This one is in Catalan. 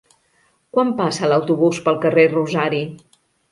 Quan passa l'autobús pel carrer Rosari?